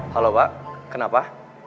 halo pak kenapa